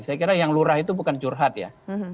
karena yang lurah itu bukan curhat ya